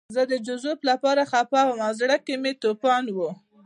زه د جوزف لپاره خپه وم او زړه کې مې توپان و